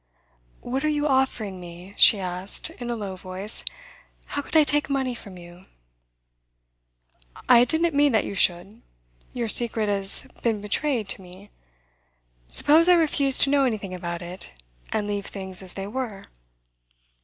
'What are you offering me?' she asked, in a low voice. 'How could I take money from you?' 'I didn't mean that you should. Your secret has been betrayed to me. Suppose I refuse to know anything about it, and leave things as they were?